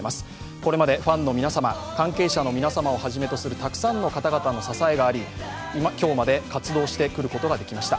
これまでファンの皆様、関係者の皆様をはじめとするたくさんの方々の支えがあり今日まで活動してくることができました。